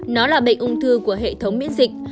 nó là bệnh ung thư của hệ thống miễn dịch